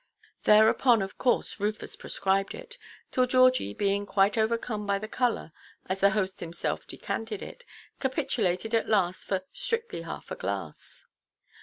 Thereupon, of course Rufus prescribed it, till Georgie, being quite overcome by the colour, as the host himself decanted it, capitulated at last for "strictly half a glass."